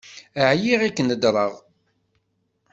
Ԑyiɣ i k-nedṛeɣ.